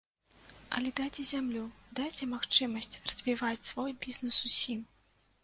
Але дайце зямлю, дайце магчымасць развіваць свой бізнес усім.